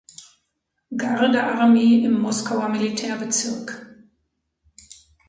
Gardearmee im Moskauer Militärbezirk.